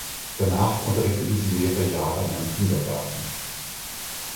Danach unterrichtete sie mehrere Jahre in einem Kindergarten.